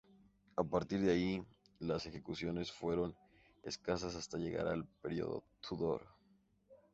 A partir de ahí, las ejecuciones fueron escasas hasta llegar al periodo Tudor.